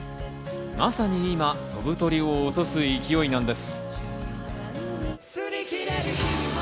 まさに今、飛ぶ鳥を落とす勢いなんです。